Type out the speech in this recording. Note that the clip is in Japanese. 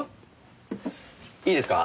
いいですか？